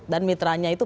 dan mitranya itu